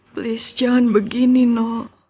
please jangan begini nino